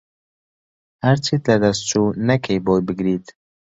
هەرچیت لەدەست چو نەکەیت بۆی بگریت